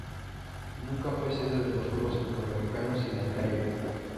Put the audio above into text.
Nunca fue sede de los Juegos Centroamericanos y del Caribe.